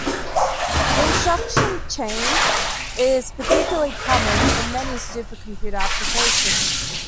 This instruction "chain" is particularly common in many supercomputer applications.